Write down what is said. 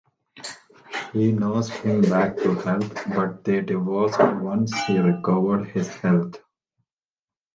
She nursed him back to health, but they divorced once he recovered his health.